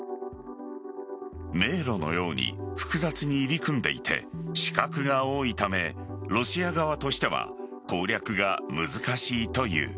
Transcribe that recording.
迷路のように複雑に入り組んでいて死角が多いためロシア側としては攻略が難しいという。